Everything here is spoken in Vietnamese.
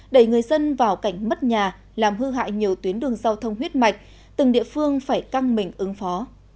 đẩy người dân vào cảnh mất nhà làm hư hại nhiều tuyến đường giao thông huyết mạch từng địa phương phải căng mình ứng phó